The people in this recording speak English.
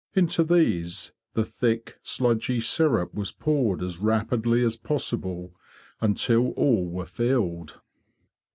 Into these the thick, sludgy syrup was poured as rapidly as possible, until all were filled.